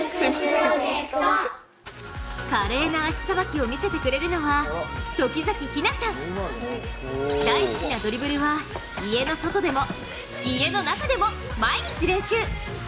華麗な足さばきを見せてくれるのは大好きなドリブルは家の外でも中でも毎日練習。